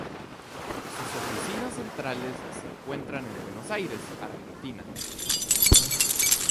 Sus oficinas centrales se encuentran en Buenos Aires, Argentina.